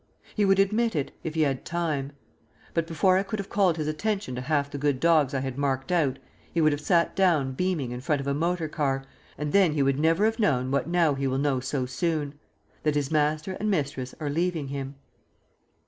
He would admit it, if he had time. But before I could have called his attention to half the good dogs I had marked out he would have sat down beaming in front of a motor car ... and then he would never have known what now he will know so soon that his master and mistress are leaving him.